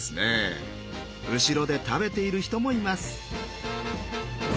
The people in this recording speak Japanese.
後ろで食べている人もいます。